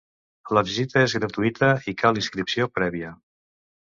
La visita és gratuïta i cal inscripció prèvia.